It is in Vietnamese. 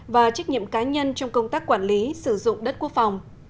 và trách nhiệm cá nhân trong công tác quản lý sử dụng đất quốc phòng